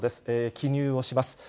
記入をします。